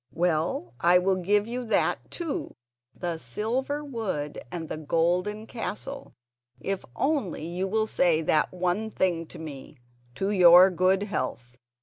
Well, I will give you that too, the silver wood and the golden castle, if only you will say that one thing to me: 'To your good health.